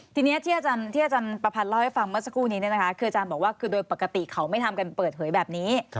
ทีนี้ที่อาจารย์ประพันธ์เล่าให้ฟังเมื่อสักครู่นี้คืออาจารย์บอกว่าคือโดยปกติเขาไม่ทำกันเปิดเผยแบบนี้